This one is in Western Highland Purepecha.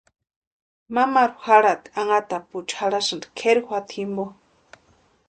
Mamaru jarhati anhatapuecha jarhasti kʼeri juata jimpo.